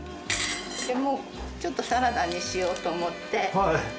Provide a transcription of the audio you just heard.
もうちょっとサラダにしようと思って。